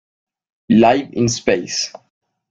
Live In Space!